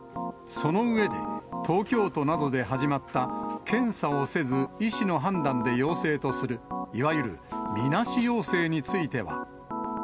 その上で、東京都などで始まった、検査をせず医師の判断で陽性とする、いわゆるみなし陽性については。